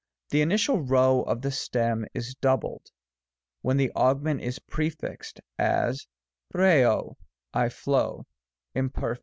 The initial q of the stem is doubled, when the augment is prefixed ; as, qkco^ " I flow," Lnperf.